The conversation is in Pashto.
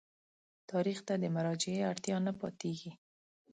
تاریخ ته د مراجعې اړتیا نه پاتېږي.